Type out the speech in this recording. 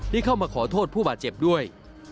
ได้เข้ามาขอโทษผู้บาดเจ็บด้วย